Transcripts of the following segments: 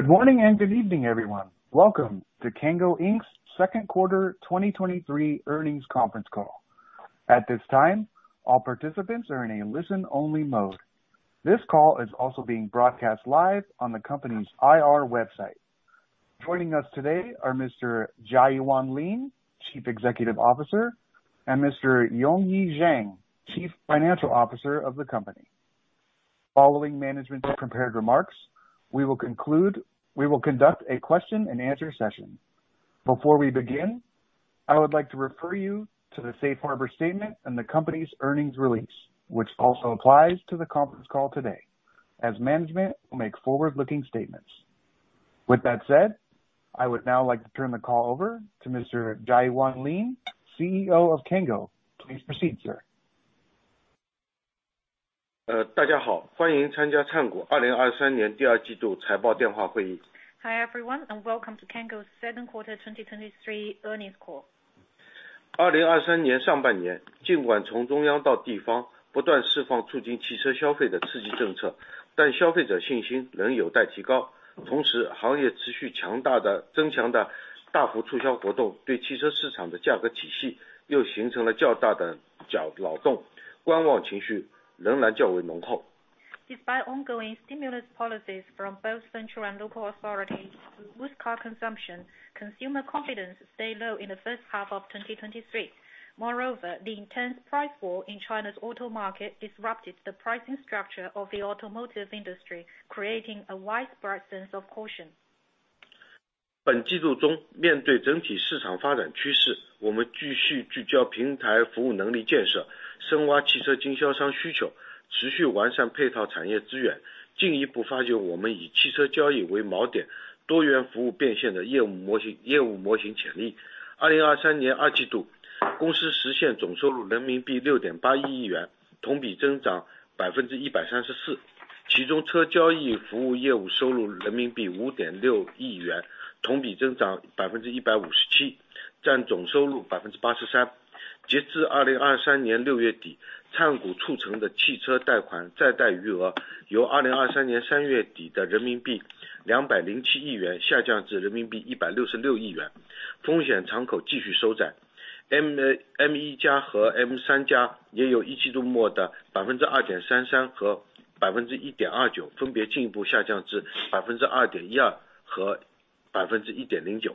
Good morning and good evening, everyone. Welcome to Cango Inc.'s 2nd quarter 2023 earnings conference call. At this time, all participants are in a listen-only mode. This call is also being broadcast live on the company's IR website. Joining us today are Mr. Jiayuan Lin, Chief Executive Officer, and Mr. Yongyi Zhang, Chief Financial Officer of the company. Following management's prepared remarks, we will conduct a question and answer session. Before we begin, I would like to refer you to the Safe Harbor statement and the company's earnings release, which also applies to the conference call today, as management will make forward-looking statements. With that said, I would now like to turn the call over to Mr. Jiayuan Lin, CEO of Cango. Please proceed, sir. 大家好，欢迎参加灿谷2023年第二季度财报电话会议。Hi, everyone, and welcome to Cango's 2nd quarter 2023 earnings call. 2023年上半年，尽管从中央到地方不断释放促进汽车消费的刺激政策，但消费者信心仍待提高。同时，行业持续强劲的、增强的大幅促销活动，对汽车市场的价格体系又形成了较大的干扰，观望情绪仍然较为浓厚。Despite ongoing stimulus policies from both central and local authorities to boost car consumption, consumer confidence stayed low in the 1st half of 2023. Moreover, the intense price war in China's auto market disrupted the pricing structure of the automotive industry, creating a widespread sense of caution. 本季度中，面对整体市场发展趋势，我们继续聚焦平台服务能力建设，深挖汽车经销商需求，持续完善配套产业资源，进一步发掘我们以汽车交易为锚点，多元服务变现的业务模式，业务模式潜力。2023年第二季度，公司实现总收入人民币6.81亿元，同比增长134%，其中汽车交易服务业务收入人民币5.6亿元，同比增长157%，占总收入83%。截至2023年6月底，灿谷促成的汽车贷款再贷余额，由2023年3月底的人民币207亿元下降至人民币166亿元，风险敞口继续收窄。M1+ 和 M3+ 也由一季度末的2.33% 和1.29%，分别进一步下降至2.12% 和1.09%。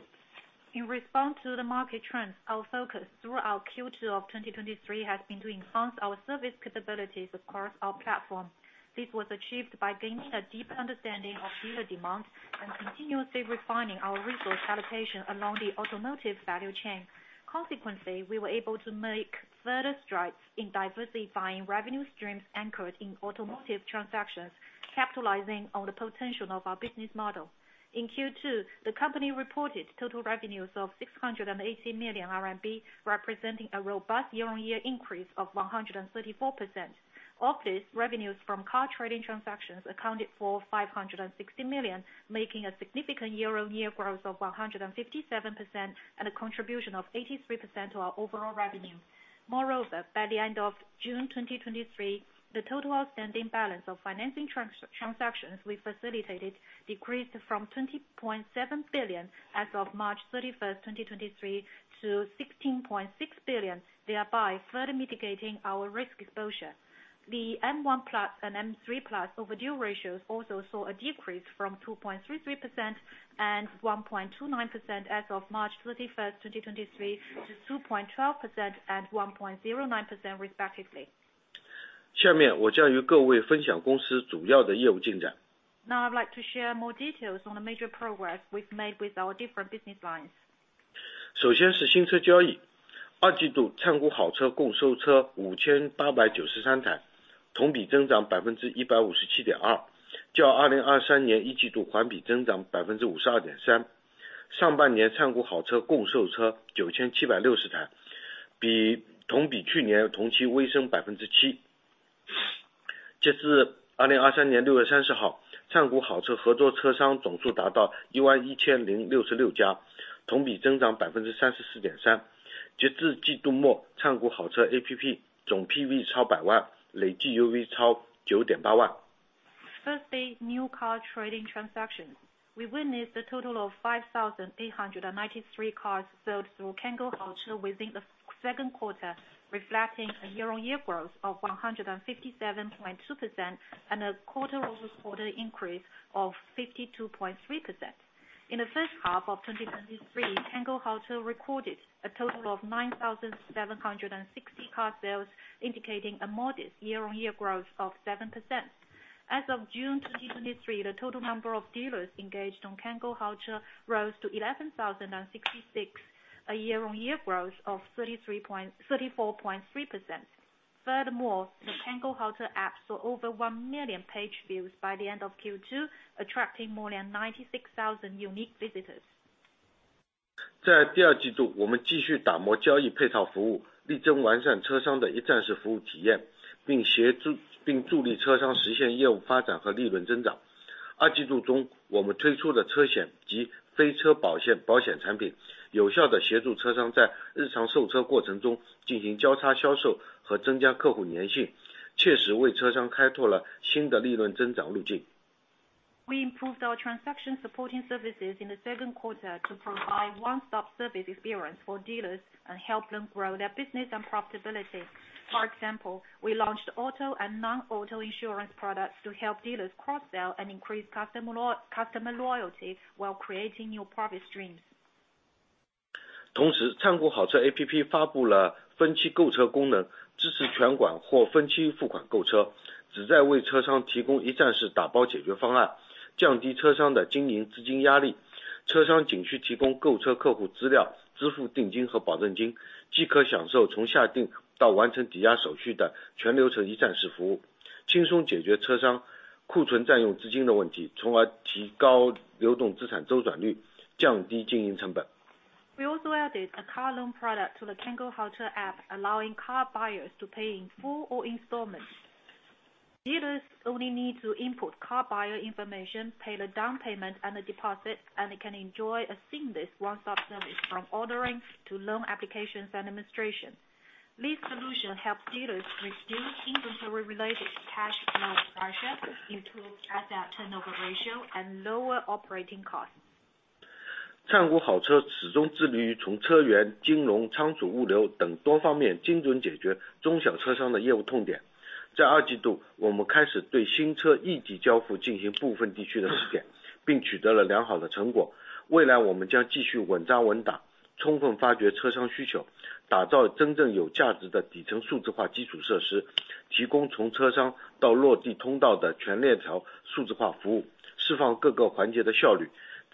In response to the market trends, our focus throughout Q2 of 2023 has been to enhance our service capabilities across our platform. This was achieved by gaining a deep understanding of dealer demands and continuously refining our resource allocation along the automotive value chain. Consequently, we were able to make further strides in diversifying revenue streams anchored in automotive transactions, capitalizing on the potential of our business model. In Q2, the company reported total revenues of 680 million RMB, representing a robust year-on-year increase of 134%. Of this, revenues from car trading transactions accounted for 560 million, making a significant year-on-year growth of 157%, and a contribution of 83% to our overall revenue. Moreover, by the end of June 2023, the total outstanding balance of financing transactions we facilitated decreased from 20.7 billion as of March 31, 2023, to 16.6 billion, thereby further mitigating our risk exposure. The M1+ and M3+ overdue ratios also saw a decrease from 2.33% and 1.29% as of March 31, 2023, to 2.12% and 1.09% respectively. 下面我就与各位分享公司主要的业务进展。Now, I'd like to share more details on the major progress we've made with our different business lines. 首先是新车交易。二季度，灿谷好车共售车 5,893 台，同比增长 157.2%，较 2023 年一季度环比增长 52.3%。上半年，灿谷好车共售车 9,760 台，同比去年同期微升 7%。截至 2023年6月30 日，灿谷好车合作车商总数达到 11,066 家，同比增长 34.3%。截至季度末，灿谷好车 APP 总 PV 超 1,000,000，累计 UV 超 98,000。First, the new car trading transaction. We witnessed a total of 5,893 cars sold through Cango Auto within the 2nd quarter, reflecting a year-on-year growth of 157.2%, and a quarter-over-quarter increase of 52.3%. In the 1st half of 2023, Cango Auto recorded a total of 9,760 car sales, indicating a modest year-on-year growth of 7%. As of June 2023, the total number of dealers engaged on Cango Auto rose to 11,066, a year-on-year growth of 34.3%. Furthermore, the Cango Auto app saw over one million page views by the end of Q2, attracting more than 96,000 unique visitors. 在第二季度，我们继续打磨交易配套服务，力争完善车商的一站式服务体验，并协助并助力车商实现业务发展和利润增长。二季度中，我们推出的车险及非车保险产品，有效地协助车商在日常售车过程中进行交叉销售和增加客户粘性。...确实为车商开拓了新的利润增长路径。We improved our transaction supporting services in the 2nd quarter to provide one stop service experience for dealers and help them grow their business and profitability. For example, we launched auto and non-auto insurance products to help dealers cross-sell and increase customer loyalty while creating new profit streams. We also added a car loan product to the Cango Haoche app, allowing car buyers to pay in full or installments. Dealers only need to input car buyer information, pay the down payment and the deposit, and they can enjoy a seamless one stop service from ordering to loan applications and administration. This solution helps dealers reduce inventory related cash flow pressure, improve asset turnover ratio and lower operating costs.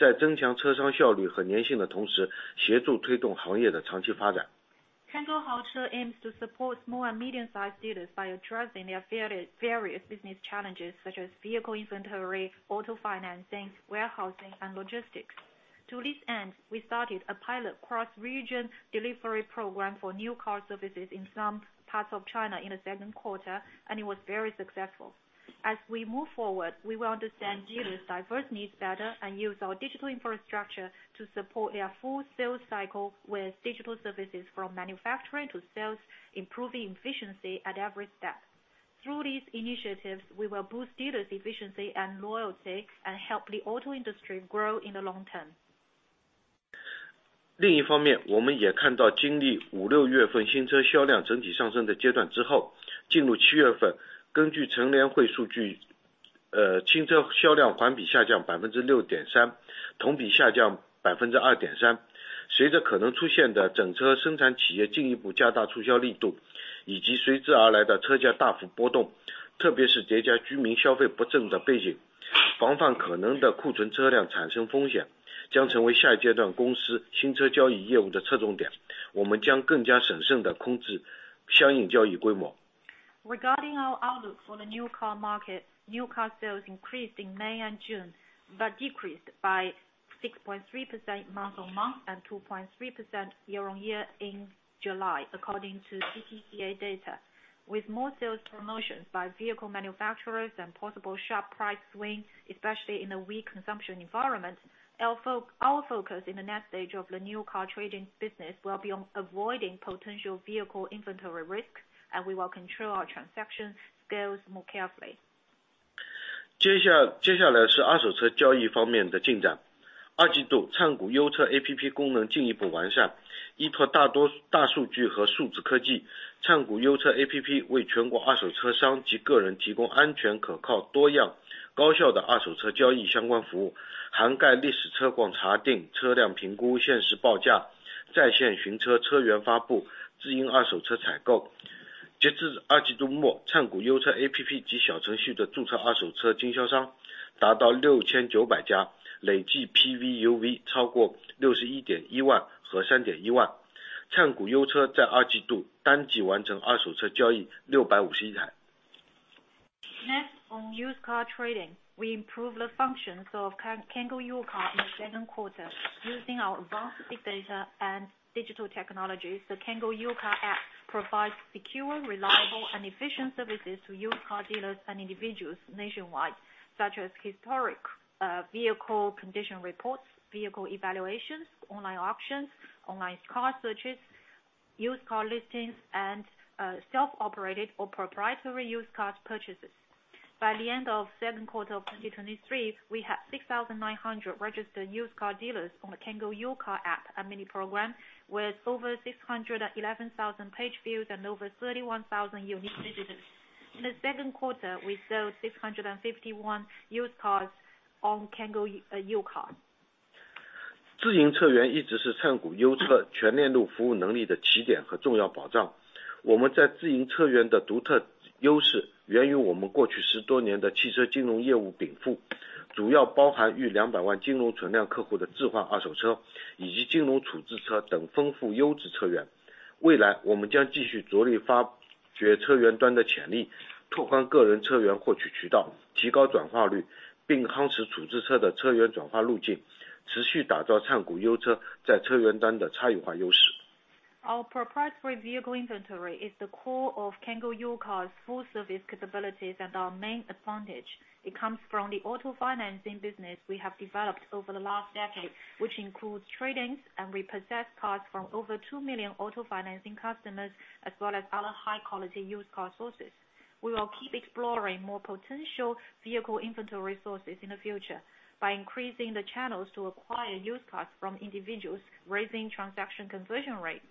Cango Haoche aims to support small and medium-sized dealers by addressing their various business challenges such as vehicle inventory, auto financing, warehousing, and logistics. To this end, we started a pilot cross-region delivery program for new car services in some parts of China in the 2nd quarter, and it was very successful. As we move forward, we will understand dealers' diverse needs better and use our digital infrastructure to support their full sales cycle with digital services from manufacturing to sales, improving efficiency at every step. Through these initiatives, we will boost dealers' efficiency and loyalty and help the auto industry grow in the long term. Regarding our outlook for the new car market, new car sales increased in May and June, but decreased by 6.3% month-on-month and 2.3% year-on-year in July, according to CPCA data. With more sales promotions by vehicle manufacturers and possible sharp price swings, especially in the weak consumption environment, our focus in the next stage of the new car trading business will be on avoiding potential vehicle inventory risk, and we will control our transaction scales more carefully. 接下来是二手车交易方面的进展。二季度，灿谷优车APP功能进一步完善，依托大数据和数字科技，灿谷优车APP为全国二手车商及个人提供安全、可靠、多样、高效的二手车交易相关服务，涵盖历史车况查定、车辆评估、限时报价、在线寻车、车源发布、自营二手车采购。截至二季度末，灿谷优车APP及小程序的注册二手车经销商达到6,900家，累计PV、UV超过61.1万和3.1万。灿谷优车在二季度单季完成二手车交易651台。Next, on used car trading, we improve the functions of Cango U-Car in the 2nd quarter. Using our advanced big data and digital technologies, the Cango U-Car app provides secure, reliable, and efficient services to used car dealers and individuals nationwide, such as historic vehicle condition reports, vehicle evaluations, online auctions, online car searches, used car listings, and self-operated or proprietary used car purchases. By the end of 2nd quarter of 2023, we had 6,900 registered used-car dealers on the Cango U-Car app and mini programs with over 611,000 page views and over 31,000 unique visitors. In the 2nd quarter, we sold 651 used cars on Cango U-Car. ...Our proprietary vehicle inventory is the core of Cango U-Car's full service capabilities and our main advantage. It comes from the auto financing business we have developed over the last decade, which includes trades and repossessed cars from over 2 million auto financing customers, as well as other high-quality used car sources. We will keep exploring more potential vehicle inventory resources in the future by increasing the channels to acquire used cars from individuals, raising transaction conversion rate, raising transaction conversion rates,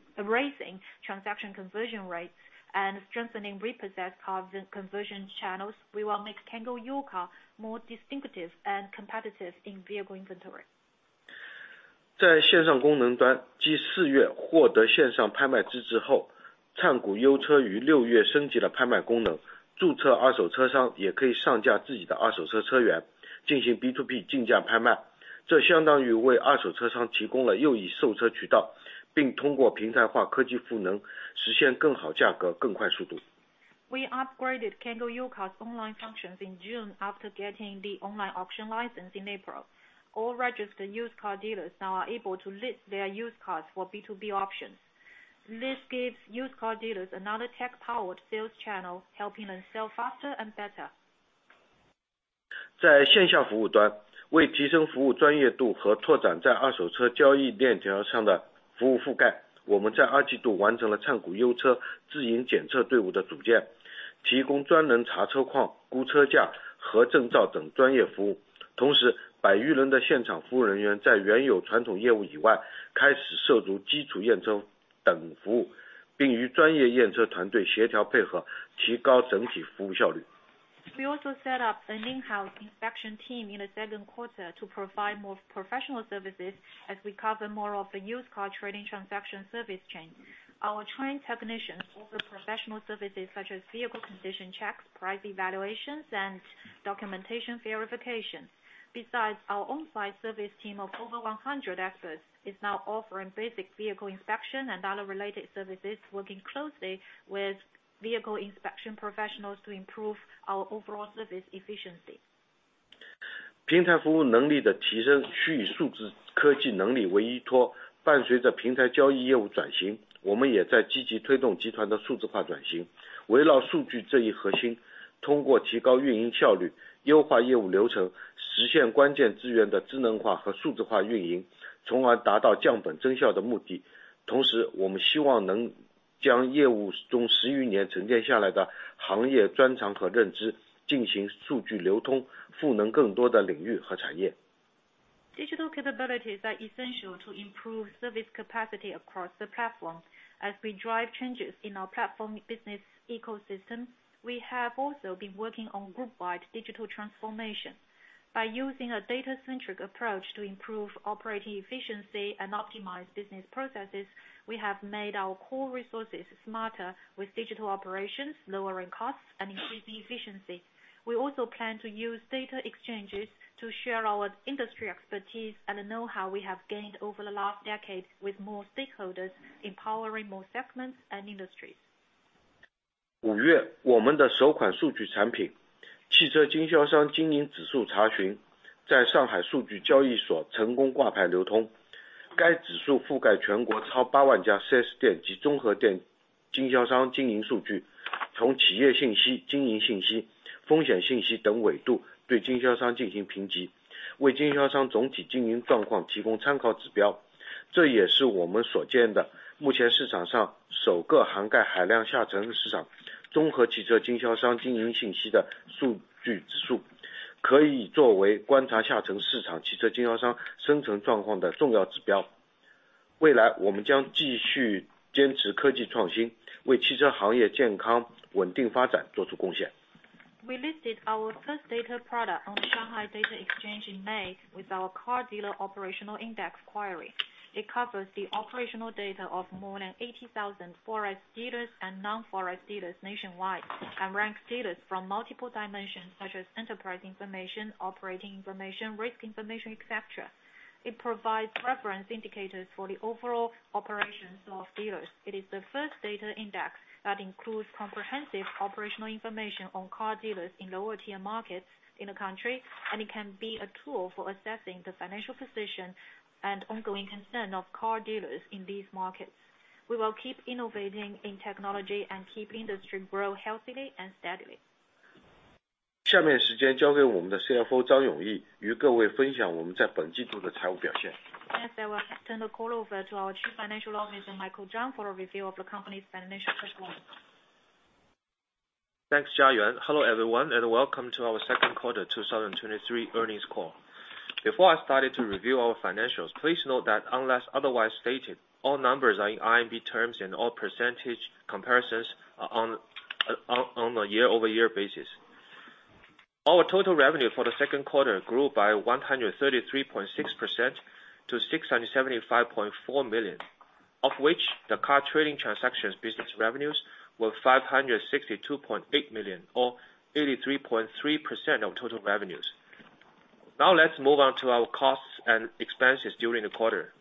and strengthening repossessed cars and conversion channels. We will make Cango U-Car more distinctive and competitive in vehicle inventory. We upgraded Cango U-Car's online functions in June after getting the online auction license in April. All registered used car dealers now are able to list their used cars for B2B auctions. This gives used car dealers another tech-powered sales channel, helping them sell faster and better. We also set up an in-house inspection team in the 2nd quarter to provide more professional services as we cover more of the used car trading transaction service chain. Our trained technicians offer professional services such as vehicle condition checks, price evaluations, and documentation verification. Besides, our on-site service team of over 100 experts is now offering basic vehicle inspection and other related services, working closely with vehicle inspection professionals to improve our overall service efficiency. Digital capabilities are essential to improve service capacity across the platform. As we drive changes in our platform business ecosystem, we have also been working on group-wide digital transformation. By using a data-centric approach to improve operating efficiency and optimize business processes, we have made our core resources smarter with digital operations, lowering costs and increasing efficiency. We also plan to use data exchanges to share our industry expertise and the know-how we have gained over the last decade with more stakeholders, empowering more segments and industries. We listed our 1st data product on the Shanghai Data Exchange in May with our car dealer operational index query. It covers the operational data of more than 80,000 4S dealers and non-4S dealers nationwide, and ranks dealers from multiple dimensions such as enterprise information, operating information, risk information, et cetera. It provides reference indicators for the overall operations of dealers. It is the 1st data index that includes comprehensive operational information on car dealers in lower tier markets in the country, and it can be a tool for assessing the financial position and ongoing concern of car dealers in these markets. We will keep innovating in technology and keep industry grow healthily and steadily. Next, I will turn the call over to our Chief Financial Officer, Michael Zhang, for a review of the company's financial performance. Thanks, Jiayuan. Hello, everyone, and welcome to our 2nd quarter 2023 earnings call. Before I start to review our financials, please note that unless otherwise stated, all numbers are in RMB terms and all percentage comparisons are on a year-over-year basis. Our total revenue for the 2nd quarter grew by 133.6% to 675.4 million, of which the car trading transactions business revenues were 562.8 million, or 83.3% of total revenues. Now, let's move on to our costs and expenses during the quarter.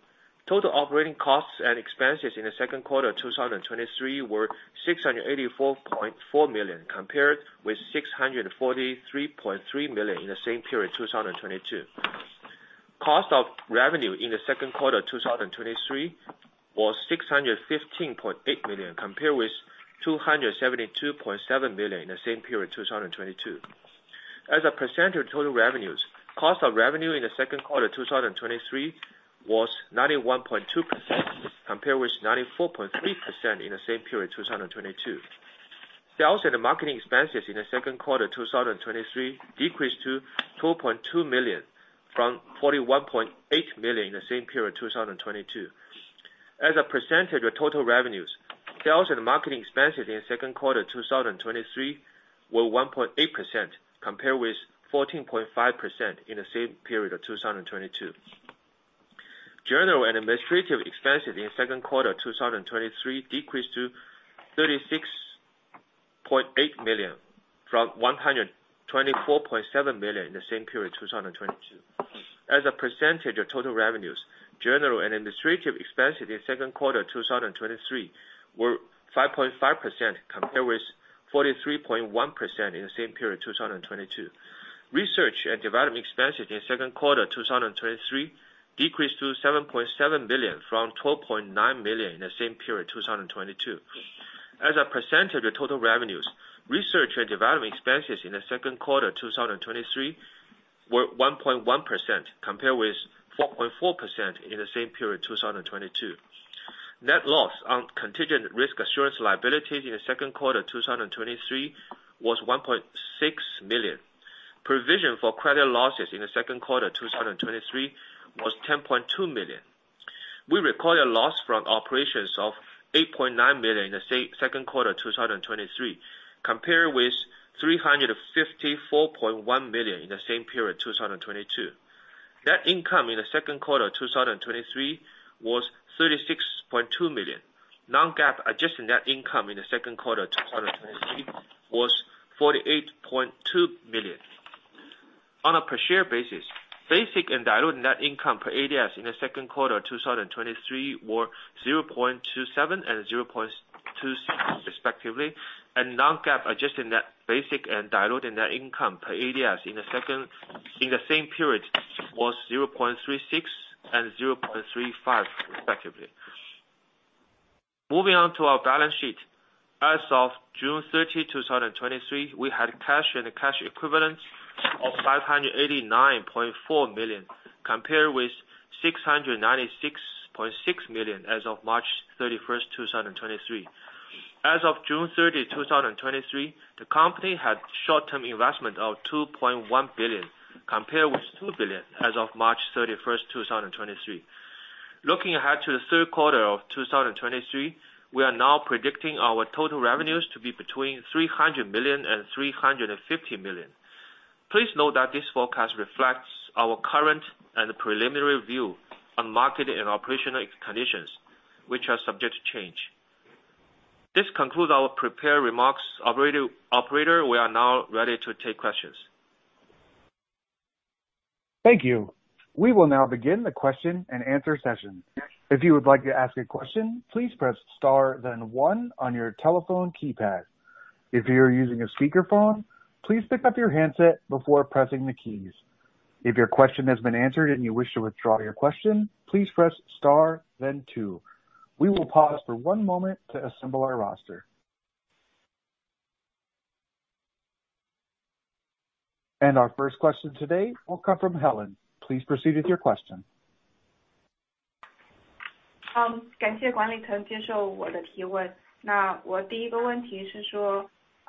Total operating costs and expenses in the 2nd quarter of 2023 were 684.4 million, compared with 643.3 million in the same period, 2022. Cost of revenue in the 2nd quarter of 2023 was 615.8 million, compared with 272.7 million in the same period, 2022. As a percentage of total revenues, cost of revenue in the 2nd quarter of 2023 was 91.2%, compared with 94.3% in the same period, 2022. Sales and marketing expenses in the 2nd quarter of 2023 decreased to 12.2 million from 41.8 million in the same period, 2022. As a percentage of total revenues, sales and marketing expenses in the 2nd quarter of 2023 were 1.8%, compared with 14.5% in the same period of 2022. General and administrative expenses in the 2nd quarter of 2023 decreased to 36.8 million from 124.7 million in the same period, 2022. As a percentage of total revenues, general and administrative expenses in the 2nd quarter of 2023 were 5.5%, compared with 43.1% in the same period, 2022. Research and development expenses in the 2nd quarter of 2023 decreased to 7.7 million from 12.9 million in the same period, 2022. As a percentage of total revenues, research and development expenses in the 2nd quarter of 2023 were 1.1%, compared with 4.4% in the same period, 2022. Net loss on contingent risk insurance liabilities in the 2nd quarter of 2023 was 1.6 million. Provision for credit losses in the 2nd quarter of 2023 was 10.2 million. We recorded a loss from operations of 8.9 million in the 2nd quarter of 2023, compared with 354.1 million in the same period, 2022. Net income in the 2nd quarter of 2023 was 36.2 million. Non-GAAP adjusted net income in the 2nd quarter of 2023 was 48.2 million. On a per share basis, basic and diluted net income per ADS in the 2nd quarter of 2023 were 0.27 and 0.26 respectively, and non-GAAP adjusted net basic and diluted net income per ADS in the same period was 0.36 and 0.35 respectively. Moving on to our balance sheet. As of June 30, 2023, we had cash and cash equivalents of 589.4 million, compared with 696.6 million as of March 31, 2023. As of June 30, 2023, the company had short-term investment of 2.1 billion, compared with 2 billion as of March 31, 2023. Looking ahead to the 3rd quarter of 2023, we are now predicting our total revenues to be between 300 million and 350 million. Please note that this forecast reflects our current and preliminary view on market and operational conditions, which are subject to change. This concludes our prepared remarks. Operator, operator, we are now ready to take questions. Thank you. We will now begin the question and answer session. If you would like to ask a question, please press star then one on your telephone keypad. If you are using a speakerphone, please pick up your handset before pressing the keys. If your question has been answered and you wish to withdraw your question, please press star then two. We will pause for one moment to assemble our roster. Our 1st question today will come from Helen. Please proceed with your question.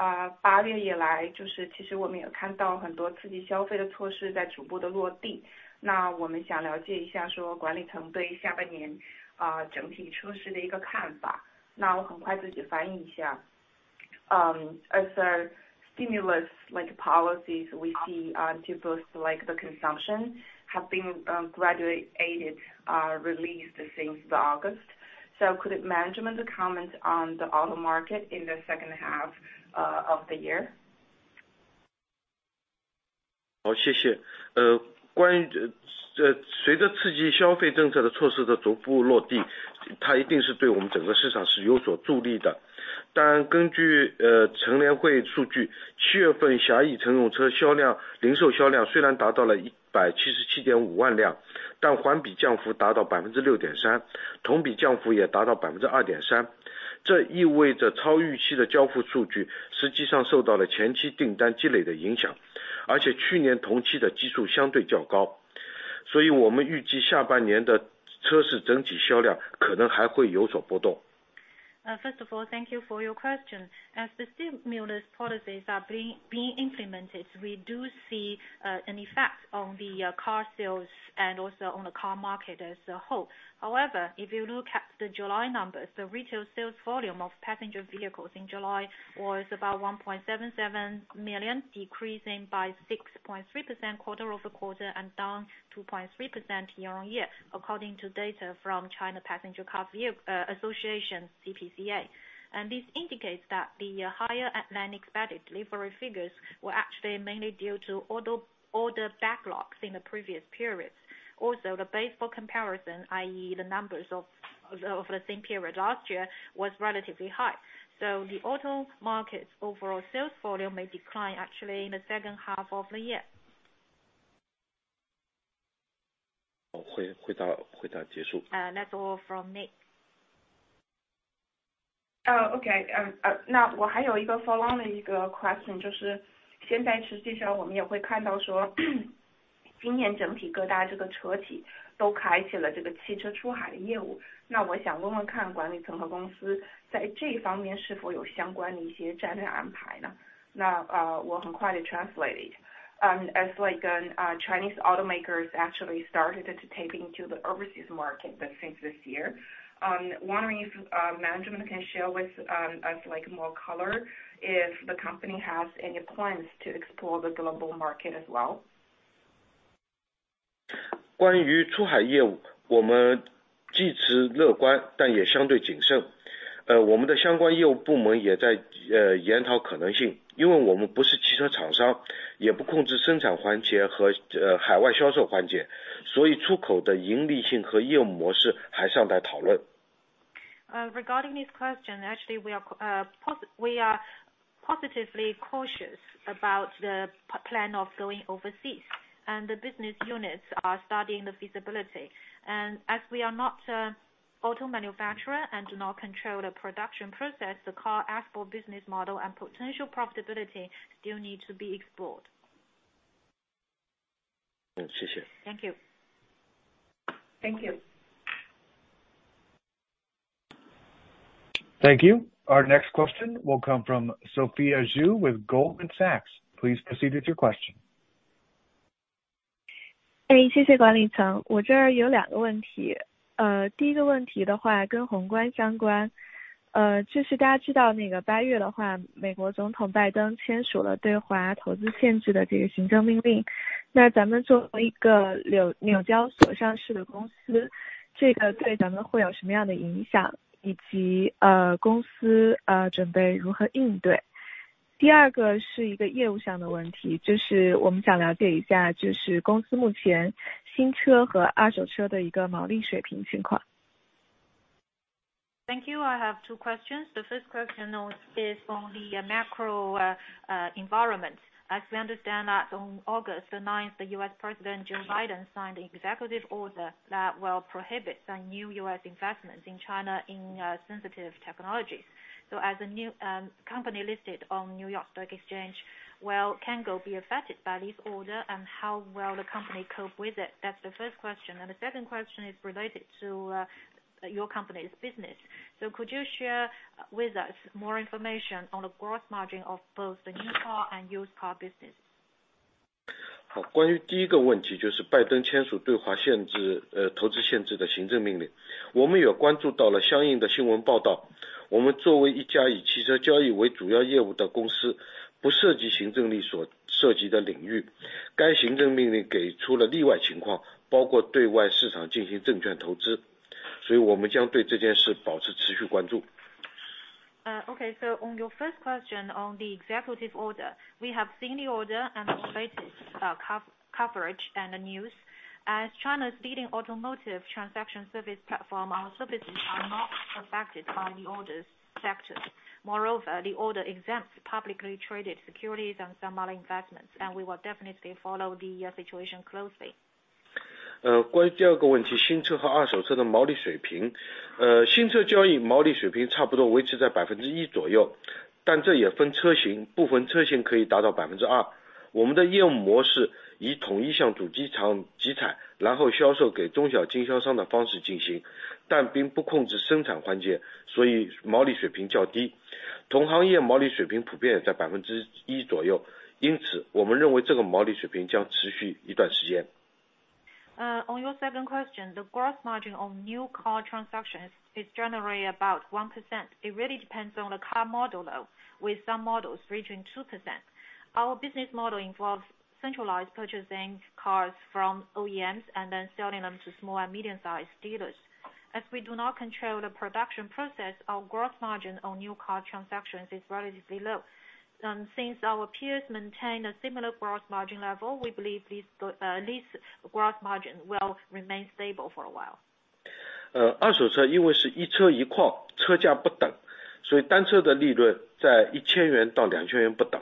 感谢管理层接受我的提问。那我第一个问题是说，八月以来，就是其实我们有看到很多刺激消费的措施在逐步的落地，那我们想了解一下，说管理层对下半年，整体车市的一个看法。那我很快自己翻译一下。As the stimulus like policies we see to boost, like the consumption, have been graduated released since the August. So could management comment on the auto market in the 2nd half of the year? 好，谢谢。关于这，... First of all, thank you for your question. As the stimulus policies are being implemented, we do see an effect on the car sales and also on the car market as a whole. However, if you look at the July numbers, the retail sales volume of passenger vehicles in July was about 1.77 million, decreasing by 6.3% quarter-over-quarter and down 2.3% year-on-year, according to data from China Passenger Car Association, CPCA. This indicates that the higher than expected delivery figures were actually mainly due to order backlogs in the previous periods. Also, the base for comparison, i.e. the numbers of the same period last year, was relatively high. So the auto market's overall sales volume may decline actually in the 2nd half of the year. ...会回答，回答结束。那我还有一个follow-up的一个question，就是现在实际上我们也会看到说，今年整体各大这个车企都开启了这个汽车出海的业务，那我想问问看管理层和公司在这一方面是否有一些相关的战略安排呢？那，我很快地 translate it, as like an, Chinese automakers actually started to tapping into the overseas market, but since this year, wondering if, management can share with us like more color, if the company has any plans to explore the global market as well? 关于出海业务，我们既持乐观，但也相对谨慎。我们相关业务部门也在研讨可能性，因为我们不是汽车厂商，也不控制生产环节和海外销售环节，所以出口的盈利性和业务模式还尚在讨论。Regarding this question, actually we are positively cautious about the plan of going overseas, and the business units are studying the feasibility. As we are not auto manufacturer and do not control the production process, the car export business model and potential profitability still need to be explored. Thank you. Thank you。Thank you. Thank you. Our next question will come from Sophia Zhu with Goldman Sachs. Please proceed with your question. Thank you, I have two questions. The 1st question is on the macro environment. As we understand that on August the ninth, the U.S. President Joe Biden signed the executive order that will prohibit some new U.S. investments in China in sensitive technologies. So as a new company listed on New York Stock Exchange, well, Cango be affected by this order, and how well the company cope with it? That's the 1st question. The 2nd question is related to your company's business. So could you share with us more information on the gross margin of both the new car and used car business? 好，关于第一个问题，就是拜登签署对华投资限制的行政命令。我们也注意到了相应的新闻报道，我们作为一家以汽车交易为主要业务的公司，不涉及行政令所涉及的领域，该行政命令给出了例外情况，包括对外市场进行证券投资，所以我们将对这件事保持持续关注。Okay, so on your 1st question, on the executive order, we have seen the order and the latest coverage and the news. As China's leading automotive transaction service platform, our services are not affected by the order's sectors. Moreover, the order exempts publicly traded securities and some other investments, and we will definitely follow the situation closely. On your 2nd question, the gross margin on new car transactions is generally about 1%. It really depends on the car model, though with some models reaching 2%. Our business model involves centralized purchasing cars from OEMs and then selling them to small and medium-sized dealers. As we do not control the production process, our gross margin on new car transactions is relatively low. Since our peers maintain a similar gross margin level, we believe these gross margin will remain stable for a while. 二手车因为是一车一况，车价不等，所以单车的利润在1,000元-2,000元不等。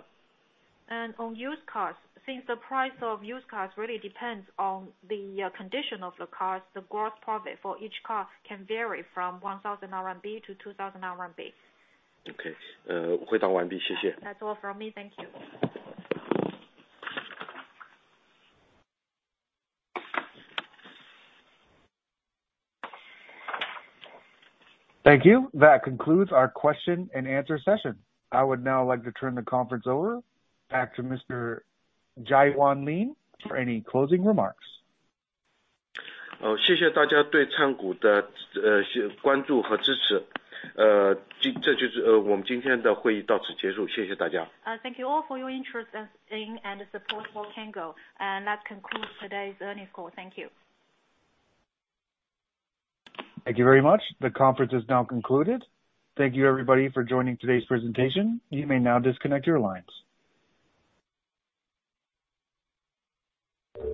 On used cars, since the price of used cars really depends on the condition of the cars, the gross profit for each car can vary from 1,000 RMB to 2,000 RMB. OK, 回答完毕, 谢谢。That's all from me. Thank you. Thank you. That concludes our question and answer session. I would now like to turn the conference over back to Mr. Jiayuan Lin for any closing remarks. 谢谢大家对灿谷的关注和支持。这就是我们今天的会议到此结束，谢谢大家！ Thank you all for your interest in and support for Cango. That concludes today's earnings call. Thank you! Thank you very much. The conference is now concluded. Thank you everybody for joining today's presentation. You may now disconnect your lines.